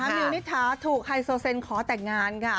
มิวนิษฐาถูกไฮโซเซนขอแต่งงานค่ะ